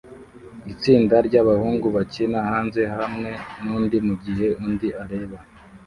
Itsinda ryabahungu bakina hanze hamwe nundi mugihe undi areba